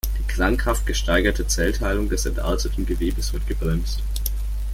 Die krankhaft gesteigerte Zellteilung des entarteten Gewebes wird gebremst.